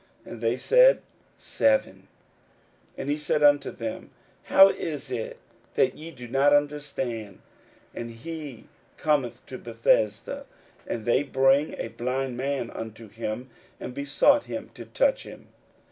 And they said, Seven. 41:008:021 And he said unto them, How is it that ye do not understand? 41:008:022 And he cometh to Bethsaida; and they bring a blind man unto him, and besought him to touch him.